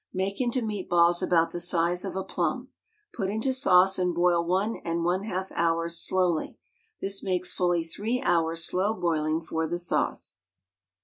Make into meat balls about the size of a plum. Put into sauce and boil one and one half hours slowly. This makes fully three hours' slow boiling for the sauce.